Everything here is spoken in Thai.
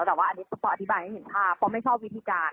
แต่ว่าอันนี้คือพออธิบายให้เห็นภาพเพราะไม่ชอบวิธีการ